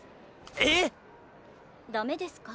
えっ⁉ダメですか？